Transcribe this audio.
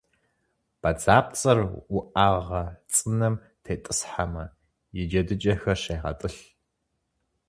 Бадзапцӏэр уӏэгъэ цӏынэм тетӏысхьэмэ, и джэдыкӏэхэр щегъэтӏылъ.